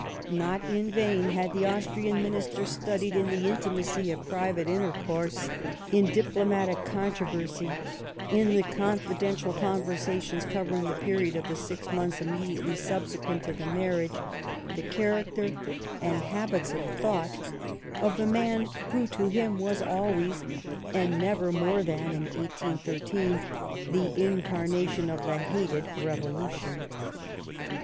Not in vain had the Austrian Minister studied, in the intimacy of private intercourse, in diplomatic controversy, in the confidential conversations covering the period of the six months immediately subsequent to tlie marriage, the character and habits of thought of the man who to him was always, and never more than in 1813, the incarnation •of the hated Revolution.